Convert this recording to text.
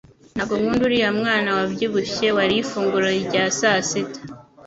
Ntabwo nkunda uriya mwana wabyibushye wariye ifunguro rya sasita.